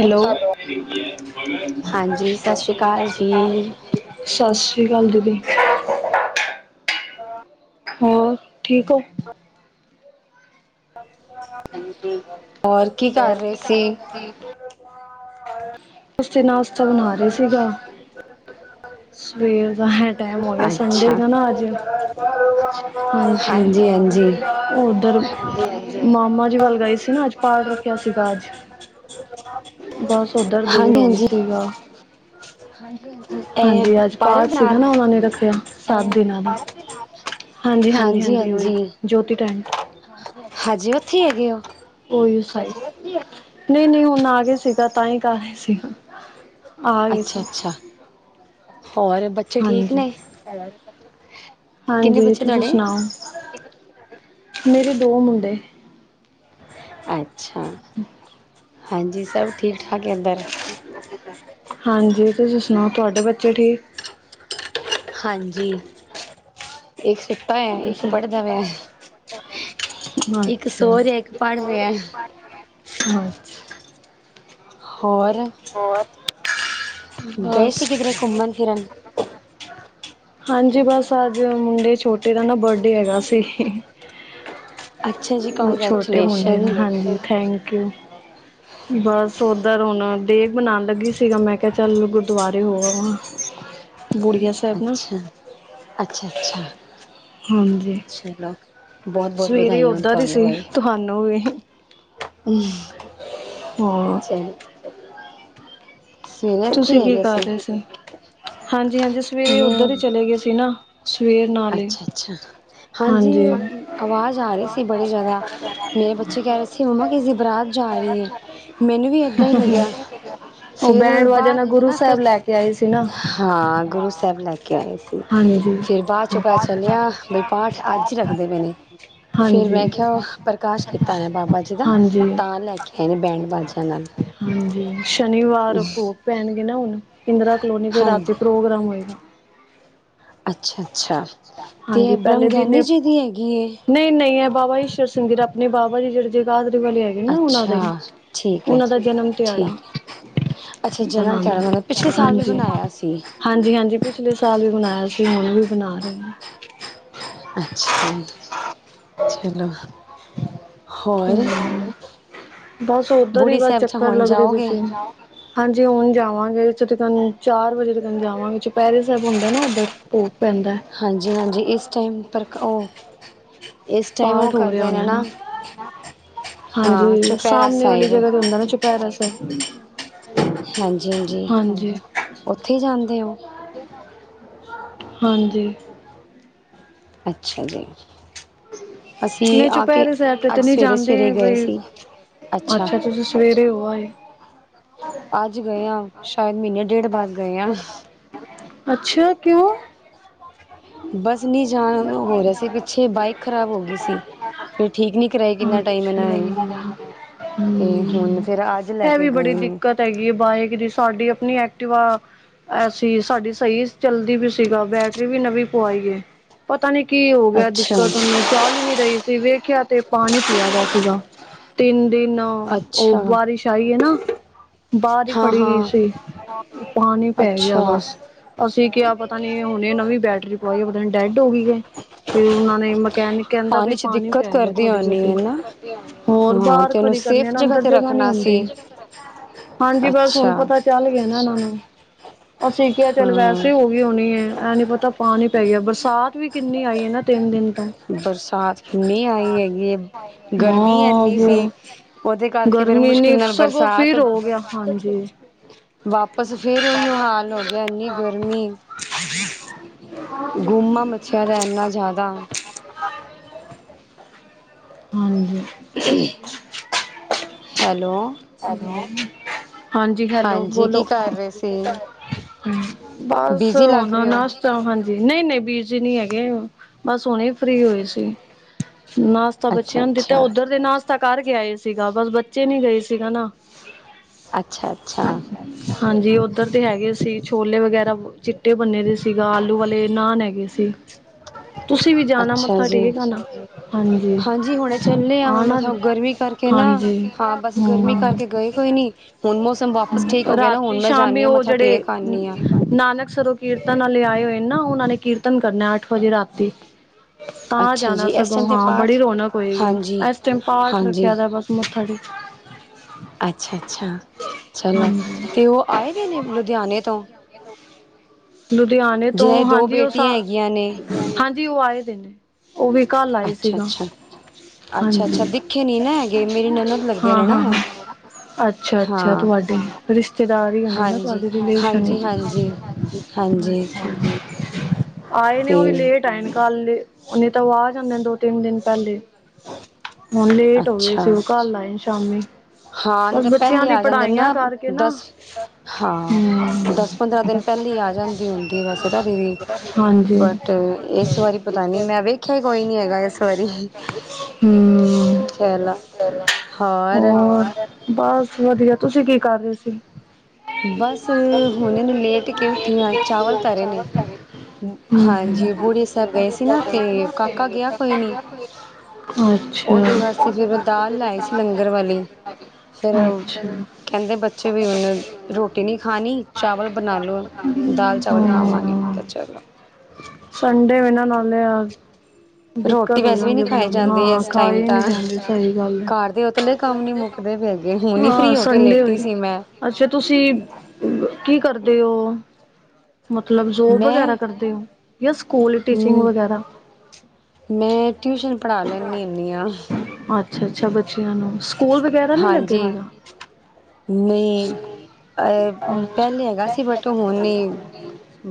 Hello. ਹਾਂਜੀ ਸਤਿ ਸ਼੍ਰੀ ਅਕਾਲ ਜੀ। ਸਤਿ ਸ਼੍ਰੀ ਅਕਾਲ ਦੀਦੀ। ਹੋਰ, ਠੀਕ ਹੋ? [inaudible] ਹਾਂਜੀ। ਹੋਰ ਕੀ ਕਰ ਰਹੇ ਸੀ? ਬਸ, ਨਾਸ਼ਤਾ ਬਣਾ ਰਹੇ ਸੀਗਾ। ਸਵੇਰ ਦਾ ਹੈ ਟਾਈਮ ਹੋ ਗਿਆ। ਸੰਡੇ ਅੱਛਾ ਥਾ ਨਾ ਅੱਜ। ਹਾਂਜੀ। ਉਧਰ, ਮਾਮਾ ਜੀ ਵੱਲ ਗਏ ਸੀ ਨਾ ਅੱਜ ਪਾਠ ਰੱਖਿਆ ਸੀਗਾ ਅੱਜ ਬਸ [inaudible] ਉਧਰ ਦੇਰ ਹੋ ਹਾਂਜੀ ਸੀਗਾ। ਹਾਂਜੀ ਇਹ ਅੱਜ ਪਾਰਕ ਪਾਠ ਦੇ ਸੀਗਾ ਨਾਲ ਨਾ। ਉਹ ਰੱਖਿਆ ਸੱਤ ਦਿਨਾਂ ਦਾ। ਹਾਂਜੀ -ਹਾਂਜੀ- ਹਾਂਜੀ ਓਹੀ ਜੋਤੀ ਟੈਂਟ। ਹਾਂਜੀ, ਉੱਥੇ ਹੈਗੇ ਹੋ। ਉਹੀ ਸਾਈ, ਨਹੀਂ- ਨਹੀਂ ਹੁਣ ਆਗੇ ਸੀਗਾ। ਤਾਂ ਹੀ ਕਰ ਰਹੇ ਸੀਗਾ। ਆ ਗਏ ਅੱਛਾ- ਸੀ ਅੱਛਾ, ਹੋਰ ਬੱ ਹਾਂਜੀ ਕਿੰਨੇ -ਹਾਂਜੀ। ਬੱਚੇ ਤੁਸੀ ਤੁਹਾਡੇ ਸੁਣਾਓ ਮੇਰੇ ਦੋ ਮੁੰਡੇ। ਅੱਛਾ। ਹਾਂਜੀ। ਸਭ ਠੀਕ -ਠਾਕ ਏ ਇਧਰ ਹੇ ੲਏ [unintelligible] ਹਾਂਜੀ। ਤੁਸੀਂ ਸੁਣਾਓ ਤੁਹਾਡੇ ਬੱਚੇ ਠੀਕ। ਹਾਂਜੀ। ਇੱਕ ਸੁੱਤਾ ਹੋਇਆ। ਇੱਕ ਅੱਛਾ ਪੜ੍ਹਦਾ ਪਿਆ। ਇੱਕ ਅੱਛਾ ਸੋ ਰਿਹਾ। ਇੱਕ ਪੜ੍ਹ ਰਿਹਾ। ਅੱਛਾ। ਹੋਰ ਹੋਰ, ਗਏ ਬਸ ਸੀ ਕਿਧਰੇ ਘੁੰਮਣ ਫਿਰਨ ਹਾਂਜੀ ਬਸ ਅੱਜ ਮੁੰਡੇ ਛੋਟੇ ਦਾ ਨਾ ਬਰਡੇ ਹੈਗਾ ਸੀ। ਅੱਛਾ ਜੀ ਉਹ ਛੋਟੇ ਮੁੰਡੇ ਕੰਗ੍ਰੈਚੂਲੇਸ਼ਨ ਦਾ, ਹਾਂਜੀ। Thank you. ਬਸ ਉਧਰ ਹੁਣ ਡੇ ਬਣਾਉਣ ਲੱਗੀ ਸੀਗਾ। ਮੈਂ ਕਿਹਾ ਚੱਲ ਗੁਰਦੁਆਰੇ ਹੋ ਆਵਾਂ। ਬੁੜੀਆ ਅੱਛਾ- ਸਾਹਿਬ ਨਾ ਅੱਛਾ -ਅੱਛਾ ਹਾਂਜੀ ਚਲੋ। ਬਹੁਤ- ਬਹੁਤ ਸਵੇਰੇ ਵਧਾਈਆਂ ਹੋਣ। ਉੱਧਰ ਤੁਹਾਨੂੰ ਸੀ, ਬਈ ਤੁਹਾਨੂੰ ਵੀ, ਹਾਂ। [unintelligible] ਸਵੇਰੇ ਇੱਥੇ ਤੁਸੀਂ ਕੀ ਹੈਗੇ ਕਰ ਰਹੇ ਸੀ? ਹਾਂਜੀ-ਹਾਂਜੀ, ਸਵੇਰੇ ਉੱਧਰ ਹੀ ਚਲੇ ਗਏ ਸੀ ਨਾ, ਸਵੇਰ ਨਾਲ ਹੀ ਅੱਛਾ-ਅੱਛਾ, ਹਾਂਜੀ, ਆਵਾਜ਼ ਆ ਰਹੀ ਸੀ ਬੜੀ ਜ਼ਿਆਦਾ। ਮੇਰੇ ਬੱਚੇ ਕਹਿ ਰਹੇ ਸੀ, ਮੰਮਾ ਕਿਸੇ ਦੀ ਬਰਾਤ ਜਾ ਰਹੀ ਐ, ਮੈਨੂੰ ਵੀ ਏਦਾਂ ਹੀ ਲੱਗਿਆ। ਉਹ ਫੇਰ ਬੈਂਡ ਵਾਜਾ ਨਾਲ ਬਾਅਦ ਗੁਰੂ ਨਾ ਫਿਰ, ਸਾਹਿਬ ਲੈ ਕੇ ਆਏ ਸੀ ਨਾ ਹਾਂ ਗੁਰੂ ਸਾਹਿਬ ਲੈ ਕੇ ਆਏ ਸੀ, ਹਾਂਜੀ। ਫਿਰ ਬਾਅਦ ਚੁ ਪਤਾ ਚੱਲਿਆ ਕੀ ਬਈ ਪਾਠ ਅੱਜ ਹੀ ਰੱਖਦੇ ਪਏ ਨੇ। ਫੇਰ ਮੈਂ ਹਾਂਜੀ-ਹਾਂਜੀ-ਹਾਂਜੀ ਕਿਹਾ, ਪ੍ਰਕਾਸ਼ ਕੀਤਾ ਹੋਇਆ ਬਾਬਾ ਜੀ ਦਾ। ਤਾਂ ਲੈ ਕੇ ਆਏ ਨੇ ਬੈਂਡ ਬਾਜ਼ਿਆਂ ਨਾਲ। ਸ਼ਨੀਵਾਰ ਭੋਗ ਪੈਣਗੇ ਨਾ ਹੁਣ, ਇੰਦਰਾ ਕਲੋਨੀ ਫੇਰ ਹਾਂਜੀ ਰਾਤੀ ਪ੍ਰੋਗਰਾਮ ਹੋਏਗਾ। ਅੱਛਾ ਅੱਛਾ ਤੇ ਹਾਂਜੀ, ਇਹ ਬ੍ਰਹਮ ਪਹਿਲੇ ਦਿਨ ਗਿਆਨੀ ਏ ਜੀ ਦੀ ਹੈਗੀ ਏ ਨਹੀਂ-ਨਹੀਂ, ਏ ਬਾਬਾ ਈਸ਼ਰ ਸਿੰਘ ਜੀ ਜੋ ਆਪਣੇ ਬਾਬਾ ਜੀ ਜਿਹੜੇ ਜਗਾਦਰੀ ਵਾਲੇ ਨਾ ਉਹਨਾਂ ਦੇ ਅੱਛਾ ਵਿੱਚ ਠੀਕ ਹੈ ਉਹਨਾਂ ਦਾ ਜਨਮ ਦਿਹਾੜਾ। ਠੀਕ ਅੱਛਾ ਜਨਮ ਦਿਹਾੜਾ ਮਨਾਂਦੇ ਉੰਨਾ ਦਾ, ਪਿਛਲੇ ਸਾਲ ਵੀ ਬਣਾਇਆ ਸੀ। ਹਾਂਜੀ -ਹਾਂਜੀ, ਪਿਛਲੇ ਸਾਲ ਵੀ ਬਣਾਇਆ ਸੀ, ਹੁਣ ਵੀ ਬਣਾ ਰਹੇ ਨੇ। ਅੱਛਾ, ਚਲੋ ਹੋਰ। ਨੇ। ਬਸ ਓਧਰ ਹੀ, ਬੁੜੀ ਬਸ ਸਾਹਿਬ ਚ ਚੱਕਰ ਹੁਣ ਲੱਗਦੇ ਪਏ ਜਾਓਗੇ ਸੀ। ਹਾਂਜੀ ਹੁਣ ਜਾਵਾਂਗੇ, ਤਕਨ ਚਾਰ ਵਜੇ ਤੱਕਨ ਜਾਵਾਂਗੇ ਚੁਪਹਿਰੇ ਸਾਹਿਬ ਹੁੰਦਾ ਨਾ ਉੱਧਰ। ਭੋਗ ਪੈਂਦਾ। ਹਾਂਜੀ-ਹਾਂਜੀ, ਇਸ ਟਾਈਮ ਪਰ ਉ ਪਾਠ ਹੋ ਰਿਹਾ ਹੋਣਾ ਨਾ। ਹਾਂ ਹਾਂਜੀ, ਚੁਪਹਿਰਾ ਸਾਹਮਣੇ ਵਾਲੀ ਸਾਹਿਬ ਜਗ੍ਹਾ ਤੇ ਹੁੰਦਾ ਨਾ ਚੁਪ ਪੈਰਾ ਸਾਹਿਬ, ਹਾਂਜੀ। ਉੱਥੇ ਜਾਂਦੇ ਹੋ। ਹਾਂਜੀ। ਅੱਛਾ ਜੀ। ਅਸੀਂ ਨਹੀਂ, ਆ ਕੇ ਚੁਪੈਰੇ ਸਾਹਿਬ ਤੇ ਤੇ ਅੱਜ ਨਹੀ ਸਵੇਰੇ ਜਾਂਦੇ, ਸਵੇਰੇ ਗਏ ਬਈ ਸੀ ਅੱਛਾ ਤੁਸੀਂ ਸਵੇਰੇ ਹੋ ਆਏ। ਅੱਜ ਗਏ ਆ ਸ਼ਾਇਦ ਮਹੀਨੇ ਡੇਢ ਬਾਦ ਅੱਛਾ, ਕਿਉਂ? ਬਸ ਨਹੀਂ ਜਾਣ ਹੋ ਰਿਹਾ ਸੀ ਪਿੱਛੇ ਬਾਈਕ ਖ਼ਰਾਬ ਹੋ ਗਈ ਸੀ। ਫੇਰ ਠੀਕ ਨੀ ਕਰਵਾਈ ਕਿੰਨਾ ਟਾਈਮ ਇਹਨਾਂ ਅੱਛਾ ਨੇ, ਤੇ ਹੁਣ ਹੂੰ ਫੇਰ ਅੱਜ ਜ ਲੈ ਇਹ ਕੇ ਵੀ ਬੜੀ ਗਏ ਨੇ। ਦਿੱਕਤ ਹੈਗੀ ਐ ਬਾਈਕ ਦੀ ਸਾਡੀ ਆਪਣੀ ਐਕਟਿਵਾ ਐਸੀ ਸਾਡੀ ਸਹੀ ਚੱਲਦੀ ਵੀ ਸੀਗਾ ਬੈਟਰੀ ਵੀ ਨਵੀਂ ਪਵਾਈ ਏ। ਪਤਾ ਨੀ ਕੀ ਹੋ ਗਿਆ ਅੱਛਾ। ਦਿੱਕਤ ਉਹਨੂੰ। ਚੱਲ ਹੀ ਨੀ ਰਹੀ ਸੀ, ਵੇਖਿਆ ਤੇ ਪਾਣੀ ਪਿਆ ਦਾ ਸੀਗਾ, ਤਿੰਨ ਦਿਨ ਉਹ ਅੱਛਾ ਬਾਰਿਸ਼ ਆਈ ਐ ਨਾ। ਬਾਹਰ ਹੀ ਹਾਂ ਖੜੀ ਗਈ ਹਾਂ ਸੀ, ਓ ਪਾਣੀ ਪੈ ਗਿਆ ਅੱਛਾ ਬਸ। ਅਸੀਂ ਕਿਹਾ ਪਤਾ ਨੀ ਹੁਣੇ ਨਵੀਂ ਬੈਟਰੀ ਪਵਾਈ ਐ, ਪਤਾ ਨਹੀ ਡੈਡ ਹੋ ਗਈ ਏ, ਫੇਰ ਉਹਨਾਂ ਨੇ ਮਕੈਨਿਕ ਕਹਿੰਦਾ ਵੀ 'ਚ ਪਾਣੀ ਦਿੱਕਤ ਪੈ ਗਿਆ ਕਰਦੀ ਤੁਹਾਡੀ ਹੋਣੀ ਹੈ ਗੱਡੀ, ਨਾ। ਹੋਰ ਹਾਂ ਬਾਹਰ ਤੇ ਉਹਨੂੰ ਖੜੀ ਸੇਫ ਕਰਨੇ ਨਾ ਅੰਦਰ ਤੇ ਜਗ੍ਹਾ ਨੀ ਰੱਖਣਾ ਸੀ ਹੁੰਦੀ, ਹਾਂਜੀ ਬਸ ਹੁਣ ਅੱਛਾ ਪਤਾ ਚੱਲ ਗਿਆ ਨਾ ਇਹਨਾਂ ਨੂੰ। ਅਸੀਂ ਕਿਹਾ ਚੱਲ ਹਾਂ। ਵੈਸੇ ਹੋ ਗਈ ਹੋਣੀ ਐ ਇਹ ਨੀ ਪਤਾ ਪਾਣੀ ਹੀ ਪੈ ਗਿਆ, ਬਰਸਾਤ ਵੀ ਕਿੰਨੀ ਆਈ ਐ ਨਾ ਤਿੰਨ ਦਿਨ ਤੋਂ। ਬਰਸਾਤ ਕਿੰਨੀ ਆਈ ਹੈਗੀ, ਗਰਮੀ ਹਾਂ ਇੰਨੀ ਵੋ ਸੀ। ਉਹਦੇ ਕਰਕੇ ਫਿਰ ਗਰਮੀ ਨੀ ਮੁਸ਼ਕਿਲ ਨਾਲ ਸਗੋਂ ਬਰਸਾਤ, ਫਿਰ ਹੋ ਗਿਆ ਹਾਂਜੀ ਵਾਪ ਬਸ ਫਿਰ ਉਹੀ ਉਹ ਹਾਲ ਹੋ ਗਿਆ, ਇੰਨੀ ਗਰਮੀ ਹਮ ਉਮਾ ਮੱਚਿਆ ਦਾ ਇੰਨਾ ਜ਼ਿਆਦਾ ਹਾਂਜੀ। ਹੈਲੋ ਹੈਲੋ ਹਾਂਜੀ ਹੈਲੋ ਹਾਂਜੀ ਕੀ ਬੋਲੋ, ਕਰ ਰਹੇ ਸੀ ਬਸ ਬਿਜੀ ਲੱਗ ਹੁਣ ਰਹੇ ਨਾ ਹੋ ਹਾਂਜੀ ਨਹੀਂ ਨਹੀਂ ਬੀਜੀ ਨਹੀ ਹੈਗੇ, ਬਸ ਹੁਣੇ ਫਰੀ ਹੋਏ ਸੀ। ਅੱਛਾ ਬੱਚਿਆਂ ਨੂੰ ਦਿੱਤਾ ਅੱਛਾ ਉੱਧਰ ਦੇ ਨਾਸਤਾ ਕਰ ਕੇ ਆਏ ਸੀਗਾ, ਬਸ ਬੱਚੇ ਨੀ ਗਏ ਸੀਗਾ ਨਾ ਅੱਛਾ ਅੱਛਾ। ਹਾਂਜੀ ਉੱਧਰ ਦੇ ਹੈਗੇ ਸੀ ਛੋਲੇ ਵਗੈਰਾ, ਚਿੱਟੇ ਬੰਨੇ ਦੇ ਸੀਗਾ ਆਲੂ ਵਾਲੇ ਨਾਨ ਹੈਗੇ ਤੁਸੀਂ ਵੀ ਜਾਣਾ ਅੱਛਾ ਮੱਥਾ ਜੀ ਟੇਕ ਆਨਾ, ਹਾਂਜੀ ਹੁਣੇ ਚੱਲੇ ਆ ਮੈਂ ਆਣਾ, ਮਥਾ ਗਰਮੀ ਕਰਕੇ ਨਾ ਹਾਂਜੀ ਹਾਂ ਬਸ ਗਰਮੀ ਹਮ ਕਰਕੇ ਗਏ ਕੋਈ ਨੀ ਹੁਣ ਮੌਸਮ ਵਾਪਸ ਠੀਕ ਹੋ ਗਿਆ ਨਾ ਰਾਤੀ, ਹੁਣ ਮੈਂ ਜਾਂਦੀ ਸ਼ਾਮੀ ਹਾਂ ਉਹ ਮੱਥਾ ਜਿਹੜੇ ਟੇਕ ਆਉਂਦੀ ਹਾਂ ਨਾਨਕਸਰੋਂ ਕੀਰਤਨ ਵਾਲੇ ਆਏ ਹੋਏ ਨਾ, ਉਹਨਾਂ ਨੇ ਕੀਰਤਨ ਕਰਨਾ ਅੱਠ ਵਜੇ ਰਾਤੀ ਤਾਂ ਅੱਛਾ ਜਾਣਾ ਜੀ ਇਸ ਸਗੋਂ, ਟਾਈਮ ਤੇ ਹਾਂ ਪਾਠ ਬੜੀ ਰੌਣਕ ਹੋਏਗੀ ਹਾਂਜੀ ਇਸ ਟਾਈਮ ਪਾਠ ਹਾਂਜੀ ਰੱਖਿਆ ਦਾ ਉੱਥੇ ਮੱਥਾ ਟੇਕਣ ਅੱਛਾ ਅੱਛਾ ਚਲੋ, ਹਾਂਜੀ ਤੇ ਉਹ ਆਏ ਦੇ ਨੇ ਲੁਧਿਆਣੇ ਤੋਂ ਲੁਧਿਆਣੇ ਤੋਂ, ਜਿਹਨਾਂ ਦੀ ਦੋ ਹਾਂਜੀ ਉਹ ਬੇਟੀਆਂ ਹੈਗੀਆਂ ਨੇ ਹਾਂਜੀ ਉਹ ਆਏਦੇ ਨੇ, ਉਹ ਵੀ ਕੱਲ ਆਏ ਅੱਛਾ ਸੀਗਾ। ਅੱਛਾ ਹਾਂਜੀ, ਅੱਛਾ-ਅੱਛਾ ਦਿਖੇ ਨੀ ਨਾ ਹੈਗੇ ਮੇਰੀ ਨਨਦ ਲੱਗਦੇ ਹਾਂ ਨੇ ਨਾ ਹਾਂ ਉਹ ਹਾਂ ਅੱਛਾ ਅੱਛਾ, ਹਾਂ ਤੁਹਾਡੇ ਰਿਸ਼ਤੇਦਾਰ ਹੋਣੇ ਨਾ ਹਾਂਜੀ, ਤੁਹਾਡੇ ਰਿਲੇਸ਼ਨ ਹਾਂਜੀ-ਹਾਂਜੀ, ਹਾਂਜੀ ਹਾਂਜੀ ਆਏ ਨੇ ਉਹ ਵੀ ਤੇ ਲੇਟ ਟਾਈਮ ਕੱਲ, ਨਹੀਂ ਤਾਂ ਉਹ ਆ ਜਾਂਦੇ ਨੇ ਦੋ ਤਿੰਨ ਦਿਨ ਪਹਿਲੇ ਹੁਣ ਲੇਟ ਹੋ ਗਏ ਅੱਛਾ ਸੀ, ਉਹ ਕਲ ਆਏ ਸ਼ਾਮੀ ਹਾਂ ਨਹੀਂ ਬਸ ਤਾਂ ਬੱਚਿਆਂ ਪਹਿਲੇ ਦੀ ਆ ਜਾਂਦੇ ਪੜ੍ਹਾਈਆਂ ਨਾ, ਕਰਕੇ ਨਾ ਦਸ ਹਮ ਹਾਂ ਦਸ ਪੰਦਰਾਂ ਦਿਨ ਪਹਿਲੋ ਆ ਜਾਂਦੀ ਹੁੰ ਵੈਸੇ ਤਾਂ, ਹਾਂਜੀ ਬਟ ਇਸ ਬਾਰੀ ਪਤਾ ਨਹੀਂ ਮੈਂ ਵੇਖਿਆ ਕੋਈ ਨੀ ਹੈਗਾ ਇਸ ਵਾਰੀ ਹਮ ਚਲੋ ਹੋਰ ਬਸ ਵਧੀਆ, ਤੁਸੀਂ ਕੀ ਕਰ ਰਹੇ ਸੀ ਬਸ ਹੁਣੇ ਨੂੰ ਲੇਟ ਬ ਕੇ ਉੱਠੀ ਆ ਚਾਵਲ ਧਰੇ ਨੇ ਚਾਹ ਹਾਂਜੀ ਬੂੜੇ ਸਾਹਿਬ ਗਏ ਹਮ ਸੀ ਨਾ ਤੇ ਕਾਕਾ ਗਿਆ ਕੋਈ ਨੀ ਹਮ ਉਹਦੇ ਵਾਸਤੇ ਫੇਰ ਦਾਲ ਲਾਈ ਸੀ ਲੰਗਰ ਵਾਲੀ ਫੇਰ, ਅੱਛਾ। ਕਹਿੰਦੇ ਬੱਚੇ ਵੀ ਹੁੰਨ ਰੋਟੀ ਨਹੀਂ ਖਾਣੀ, ਚਾਵਲ ਬਣਾ ਲਓ ਦਾਲ ਚਾਵਲ ਖਾਵਾਂਗੇ ਦਿਓ। ਚ- ਸੰਡੇ ਵੀ ਨਾਂ ਨਾਲੇ ਰੋਟੀ ਦਿੱਕਤ ਹੋ ਵੈਸੇ ਵੀ ਜਾਂਦੀ ਨਹੀਂ ਖਾਈ ਬਣਾਉਣੀ ਜਾਂਦੇ ਆ ਹਾਂ ਇਸ ਖਾਏ ਟਾਈਮ ਤਾਂ, ਨਹੀਂ ਜਾਂਦੇ ਸਹੀ ਗੱਲ ਹੈ। ਘਰ ਦੇ ਉਤਲੇ ਕੰਮ ਨੀ ਮੁੱਕਦੇ ਪਏ ਹੁਣ ਨ ਫਰੀ ਹਾਂ ਹੋ ਕੇ ਸੰਡੇ ਲੇਟੀ ਹੋਈ ਸੀ ਮੈਂ ਅੱਛਾ, ਤੁਸੀਂ ਕੀ ਕਰਦੇ ਹੋ? ਮਤਲਬ ਜੋਬ ਮੈਂ ਵਗੈਰਾ ਕਰਦੇ ਹੋ ਜਾਂ ਸਕੂਲ ਟੀਚਿੰਗ ਹਮ ਵਗੈਰਾ? ਮੈਂ ਟਿਊਸ਼ਨ ਪੜ੍ਹਾ ਲੈਂਦੀ ਹੁੰਦੀ ਹਾਂ। ਅੱਛਾ ਅੱਛਾ ਬੱਚਿਆਂ ਨੂੰ, ਸਕੂਲ ਵਗੈਰਾ ਨਹੀਂ ਲੱਗੇ ਹਾਂਜੀ ਹੋਗਾ ਨਹੀਂ ਅ ਪਹਿਲੇ ਅੱਛਾ ਹੈਗਾ ਸੀ, ਬਟ ਹੁਣ ਨਹੀਂ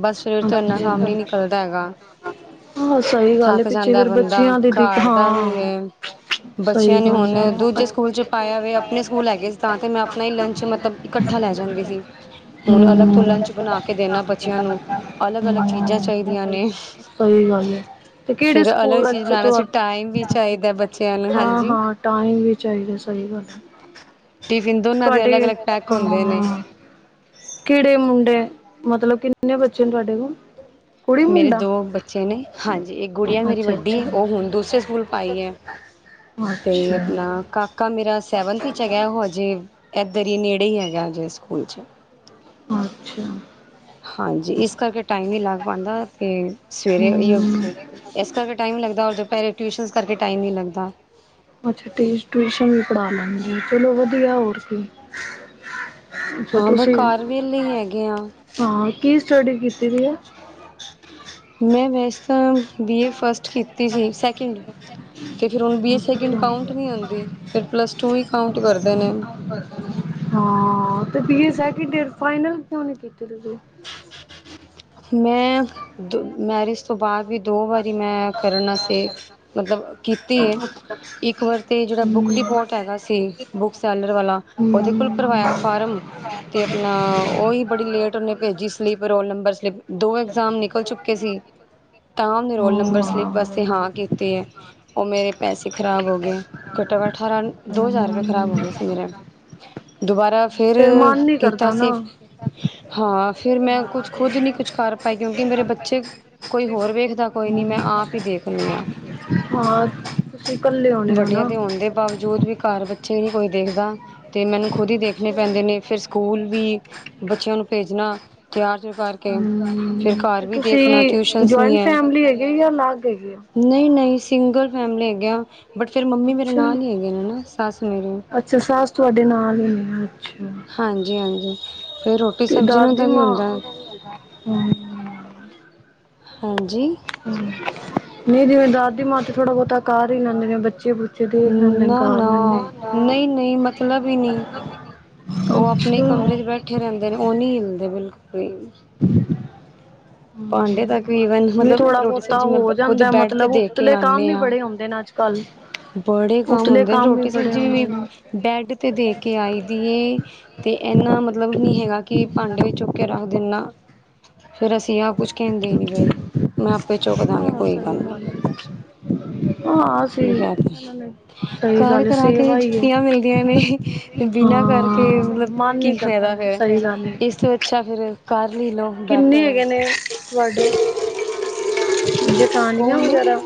ਬਸ ਸਵੇਰ ਤੋਂ ਇੰਨਾ ਕੰਮ ਨੀ ਅੱਛਾ ਨਿਕਲਦਾ ਹੈਗਾ। ਹਾਂ ਸਹੀ ਗੱਲ ਹੈ ਥੱਕ ਪਿੱਛੇ ਜਾਂਦਾ ਫੇਰ ਬੰਦਾ, ਬੱਚਿਆਂ ਦੀ ਦਿੱਕ ਘਰ ਦਾ ਵੀ ਹਾਂ ਬੱਚਿਆਂ ਸਹੀ ਨੂੰ ਹੁਣ ਗੱਲ ਹੈ ਦੂਜੇ ਸਕੂਲ ਚ' ਪਾਇਆ ਵੇ, ਆਪਣੇ ਸਕੂਲ ਹੈਗੇ ਸੀ ਤਾਂ ਤੇ ਮੈਂ ਆਪਣਾ ਹੀ ਲੰਚ ਮਤਲਬ ਇਕੱਠਾ ਲੈ ਜਾਂਦੀ ਸੀ, ਹੁਣ ਅਲੱਗ ਤੋਂ ਲੰਚ ਬਣਾ ਕੇ ਦੇਣਾ ਬੱਚਿਆਂ ਨੂੰ ਅਲੱਗ ਅਲੱਗ ਚੀਜ਼ਾਂ ਚਾਹੀਦੀਆਂ ਨੇ। ਸਹੀ ਗੱਲ ਹੈ, ਤੇ ਕਿਹੜੇ ਫਿਰ ਅਲੱਗ ਸਕੂਲ ਚੀਜ਼ ਅੇ ਬਣਾਉਣਾ ਤੁ ਸੀ ਟਾਈਮ ਵੀ ਚਾਹੀਦਾ ਬੱਚਿਆਂ ਨੂੰ ਹਾਂ ਹਾਂਜੀ ਹਾਂ ਟਾਈਮ ਵੀ ਚਾਹੀਦਾ, ਸਹੀ ਗੱਲ ਟਿਫਿਨ ਦੋਨਾਂ ਦੇ ਅਲੱਗ ਤੁਹਾਡੇ, ਅਲੱਗ ਪੈਕ ਹੁੰਦੇ ਨੇ ਹਾਂ ਕੀਨੇ ਮੁੰਡੇ, ਮਤਲਬ ਕਿ ਕਿੰਨੇ ਬੱਚੇ ਨੇ ਤੁਹਾਡੇ ਕੋਲ ਕੁੜੀ ਮੇਰੇ ਮੁੰਡਾ, ਦੋ ਬੱਚੇ ਨੇ ਹਾਂਜੀ ਇੱਕ ਗੁੜੀਆ ਮੇਰੀ ਅੱਛਾ ਵੱਡੀ ਅੱਛਾ ਹੈ ਹ ਉਹ ਹੁਣ ਅਤੇ ਆਪਣਾ, ਕਾਕਾ ਕਾਕਾ ਮੇਰਾ ਸੈਵਨਥ 'ਚ ਹੈਗਾ ਉਹ ਹਜੇ, ਇੱਧਰ ਹੀ ਨੇੜੇ ਹੀ ਹੈਗਾ ਹਜੇ ਸਕੂਲ 'ਚ ਅੱਛਾ ਹਾਂਜੀ, ਇਸ ਕਰਕੇ ਟਾਈਮ ਨੀ ਲੱਗ ਪਾਉਦਾ ਤੇ ਸਵੇਰੇ ਹਮ ਇਸ ਕਰਕੇ ਟਾਈਮ ਨੀ ਲੱਗਦਾ ਔਰ ਦੁਪਹਿਰੇ ਟਿਊਸ਼ਨਸ ਕਰਕੇ ਟਾਈਮ ਨੀ ਲੱਗਦਾ। ਅੱਛਾ, ਟਿਊਸ਼ਨ ਵੀ ਪੜ੍ਹਾ ਲੈਣਗੇ ਚਲੋ ਵਧੀਆ ਹੋਰ ਕੀ ਅੱਛਾ ਹਾਂ ਤੁਸੀਂ ਘਰ ਵੇਲੇ ਹੀ ਹੈਗੇ ਆ। ਹਾਂ, ਕੀ ਸਟੱਡੀ ਕੀਤੀ ਦੀ ਹੈ ਮੈਂ ਵੈਸ ਤਾਂ ਬੀ ਏ ਫਸਟ ਕੀਤੀ ਸੀ ਸੈਕਿੰਡ, ਅਤੇ ਫਿਰ ਉਹੁਨੂੰ ਬੀ ਏ ਸੈਕਿੰਡ ਅੱਛਾ ਕਾਊਂਟ ਨਹੀਂ ਆਉਂਦੀ ਫਿਰ ਪਲੱਸ ਟੂ ਵੀ ਕਾਊਂਟ ਕਰਦੇ ਨੇ। ਹਾਂ ਤੇ B A second year, final ਕਿੳ ਨਈ ਕੀਤੀ ਤੁਸੀਂ? ਮੈਂ ਦ ਮੈਰਿਜ ਤੋਂ ਬਾਅਦ ਵੀ ਦੋ ਵਾਰੀ ਮੈਂ ਕਰਨਾ ਸੀ, ਮਤਲਬ ਕੀਤੀ ਹੈ ਇੱਕ ਵਾਰ ਤੇ ਜਿਹੜਾ ਬੁੱਕ ਹੂੰ। ਡਿਪੋਟ ਹੈਗਾ ਸੀ ਬੁਕ ਸੈਲਰ ਵਾਲਾ, ਉਹਦੇ ਕੋਲ ਭਰਵਾਇਆ ਫਾਰਮ ਅਤੇ ਆਪਣਾ ਉਹਹੀ ਬੜੀ ਲੇਟ ਉਹਨੇ ਭੇਜੀ, ਸਲੀਿਪ ਰੋਲ ਨੰਬਰ ਸਲੀਪ ਦੋ ਐਗਜ਼ਾਮ ਨਿਕਲ ਚੁੱਕੇ ਸੀ, ਤਾਂ ਉਹਨੇ ਰੋਲ ਨੰਬਰ ਸਲਿੱਪ ਵਾਸਤੇ ਹਾਂ ਕੀਤੇ ਹੈ, ਉਹ ਮੇਰੇ ਪੈਸੇ ਖ਼ਰਾਬ ਹੋ ਗਏ। ਘਟੋ ਘਟ ਅਠਾਰਾਂ ਦੋ ਹਜ਼ਾਰੁਪਏ ਖਰਾਬ ਹੋ ਗਏ ਸੀ ਮੇਰੇ ਦੁਬਾਰਾ ਫੇਰ ਮਨ ਨੀ ਕੀਤਾ ਕਰਦਾ ਨਾ। ਸੀ, ਹਾਂ ਫਿਰ ਮੈਂ ਕੁਛ ਹਾਂ, ਖੁਦ ਨਹੀਂ ਕੁਛ ਕਰ ਪਾਈ ਕਿਉਂਕਿ ਮੇਰੇ ਬੱਚੇ, ਕੋਈ ਹੋਰ ਵੇਖਦਾ ਕੋਈ ਨਹੀਂ ਮੈਂ ਆਪ ਹੀ ਦੇਖਦੀ ਹਾਂ। [unintelligible] ਹਾਂ- ਤੁਸੀ ਕੱਲੇ ਓ! ਵੱਡੀਆਂ ਦੇ ਹੁੰਦੇ ਬਾਵਜੂਦ ਵੀ ਘਰ ਬੱਚੇ ਨਹੀਂ ਕੋਈ ਦੇਖਦਾ, ਤੇ ਮੈਨੂੰ ਖੁਦ ਹੀ ਦੇਖਣੇ ਅੱਛਾ। ਪੈਂਦੇ ਨੇ ਫਿਰ ਸਕੂਲ ਵੀ ਬੱਚਿਆਂ ਨੂੰ ਭੇਜਣਾ, ਤਿਆਰ ਕਰਕੇ,, ਹੂੰ ਫਿਰ ਤੇ ਘਰ ਵੀ ਦੇਖਣਾ ਤੁਸੀਂ ਟਿਊਸ਼ਨਸ ਵੀ ਜੁਆਇੰਟ ਹੈ! ਫੈਮਿਲੀ ਹੈਗੇ ਜਾਂ ਅਲੱਗ ਹੈਗੇ ਹੋ? ਨਹੀਂ ਨਹੀਂ ਸਿੰਗਲ ਫੈਮਲੀ ਹੈਗੇ ਆ, ਬਟ ਫਿਰ ਮੰਮੀ ਮੇਰੇ ਅੱਛਾ। ਨਾਲ ਹੀ ਹੈਗੇ ਨੇ ਹੈ ਨਾ ਸੱਸ ਮੇਰੇ ਸੱਸ ਤੁਹਾਡੇ ਨਾਲ ਹੀ ਨੇ, ਅੱਛਾ! ਹਾਂਜੀ ਹਾਂਜੀ ਫਿਰ,,,, ਰੋਟੀ ਤੇ ਸਬਜ਼ੀ ਨੂੰ ਦਾਦੀ ਮਾਂ,,,, ਦਾ ਵੀ ਹੁੰਦਾ ਹਾਂਜੀ! ਨਹੀਂ ਜਿਵੇਂ ਦਾਦੀ ਮਾਂ ਤੇ ਥੋੜਾ ਬਹੁਤਾ ਕਰ ਹੀ ਲੈਂਦੇ ਨੇ, ਬੱਚੇ ਦੇਖ ਲੈਂਦੇ ਨੇ ਨਾ ਕਰ ਨਾ ਲੈਂਦੇ। ਨਹੀਂ ਨਹੀਂ, ਮਤਲਬ ਹੀ ਨਹੀਂ ਉਹ ਆਪਣੇ ਕਮਰੇ ਅੱਛਾ। ਚ' ਬੈਠੇ ਰਹਿੰਦੇ ਨੇ, ਉਹ ਨਹੀਂ ਹਿਲਦੇ ਬਿਲਕੁਲ ਵੀ [inaudible] ਭਾਂਡੇ ਤੱਕ ਈਵਨ ਵੀ ਮਤਲਬ ਥੋੜਾ ਰੋਟੀ ਬਹੁਤਾ ਸਬਜ਼ੀ ਮੈਂ ਹੋ ਖੁਦ ਜਾਂਦਾ ਬੈਡ ਤੇ ਮਤਲਬ ਦੇ ਕੇ ਉਤਲੇ ਕੰਮ ਆਨੇ ਵੀ ਆਂ। ਬੜੇ ਹੁੰਦੇ ਨੇ ਅੱਜ ਕੱਲ ਬੜੇ ਕੰਮ ਉਤਲੇ ਹੁੰਦੇ ਨੇ ਵੀ ਰੋਟੀ ਬੜੇ ਸਬਜ਼ੀ ਵੀ ਹੁੰਦੇ ਨੇ ਬੈਡ ਤੇ ਦੇ ਕੇ ਆਈ ਦੀ ਏ। ਤੇ ਇਨਾ ਮਤਲਬ ਨੀ ਹੈਗਾ ਕਿ ਭਾਂਡੇ ਵੀ ਚੁੱਕ ਕੇ ਰੱਖ ਦਿੰਨਾ, ਫੇਰ ਅਸੀਂ ਆਪ ਕੁਛ ਕਹਿੰਦੇ ਹੀ ਨਹੀਂ ਬਈ। ਦਾਂਗੇ ਹਾਂ, ਕੋਈ ਸਹੀ ਨਹੀਂ ਗੱਲ ਐ, ਹਾਂ ਸੀ ਇਹਨਾਂ ਨੇ ਸਹੀ ਕਰ ਗੱਲ ਕਰਾ ਕੇ ਸੇਵਾ ਹੀ ਹੈ ਜੁੱਤੀਆਂ ਮਿਲਦੀਆਂ ਨੇ ਬਿਨਾਂ ਕਰਕੇ ਹਾਂ ਮਤਲਬ ਮਨ ਨੀ ਕੀ ਕਰਦਾ ਫਾਇਦਾ ਫੇਰ। ਸਹੀ ਗੱਲ ਹੈ ਇਸ ਤੋਂ ਅੱਛਾ ਫੇਰ ਕਰ ਹੀ ਲੋ, ਕਿੰਨੇ ਬੈਟਰ ਐ। ਹੈਗੇ ਨੇ ਤੁਹਾਡੇ ਜੇਠਾਨੀਆਂ ਕੌਣ, ਵਗੈਰਾ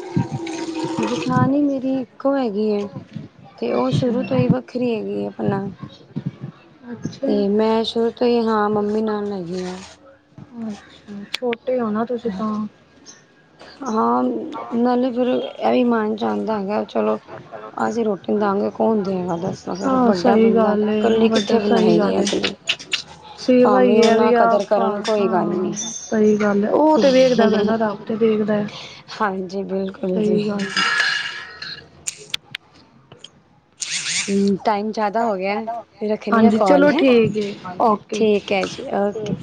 ਜਠਾਣੀ ਮੇਰੀ ਇੱਕੋ ਹੈਗੀ ਐ। ਤੇ ਉਹ ਸ਼ੁਰੂ ਅੱਛਾ ਤੋਂ ਹੀ ਵੱਖਰੀ ਹੈਗੀ ਐ ਆਪਣਾ। ਅੱਛਾ ਤੇ ਮੈਂ ਸ਼ੁਰੂ ਤੋਂ ਹੀ, ਹਾਂ ਮੰਮੀ ਨਾਲ ਹੈਗੀ ਹਾਂ। ਅੱਛਾ ਛੋਟੇ ਹੋ ਨਾ ਤੁਸੀਂ ਤਾਂ। ਹਾਂ ਨਾਲ਼ੇ ਫੇਰ ਇਹ ਵੀ ਮਨ ਚ ਆਂਦਾ ਹੋਏਗਾ, ਚਲੋ ਅਸੀਂ ਰੋਟ ਹਾਂ, ਸਹੀ ਬੰਦਾ ਗੱਲ ਐ ਇਕੱਲੀ ਬਟ ਕਿੱਥੇ ਸਹੀ ਬਣਾਏਗੀ ਗੱਲ ਐ, ਅਗਲੀ ਸੇਵਾ ਭਾਵੇਂ ਹੀ ਉਹ ਆ ਨਾ ਵੀ ਆ ਕਦਰ ਕਰਨ ਘਰ, ਕੋਈ ਗੱਲ ਨਹੀਂ ਹਾਂ। ਸਹੀ ਗੱਲ ਐ, ਉਹ ਤੇ ਵੇਖਦਾ ਪਿਆ ਐ ਨਾ ਰੱਬ ਤੇ ਵੇਖਦਾ ਐ, ਹਾਂਜੀ ਬਿਲਕੁਲ ਜੀ ਸਹੀ ਗੱਲ ਐ। ਹੁੰ, ਟਾਈਮ ਜ਼ਿਆਦਾ ਹੋ ਗਿਆ ਰੱਖਣੀ ਆ ਹਾਂਜੀ, ਕਾਲ ਚਲੋ ਹੈ ਠੀਕ ਏ, ਓਕੇ। ਠੀਕ ਹੈ ਜੀ ਓਕੇ